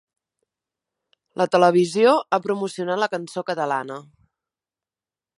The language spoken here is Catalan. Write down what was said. La televisió ha promocionat la cançó catalana.